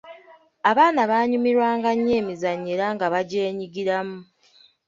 Abaana baanyumirwanga nnyo emizannyo era nga bagyenyigiramu.